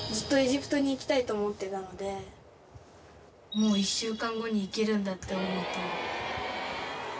もう１週間後に行けるんだって思うと。